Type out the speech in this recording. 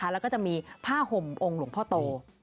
แล้วก็จะมีผ้าห่มองค์หลวงพ่อโต